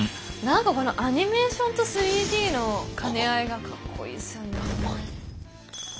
なんかこのアニメーションと３Ｄの兼ね合いがかっこいいっすよね。